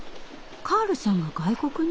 カールさんが外国に？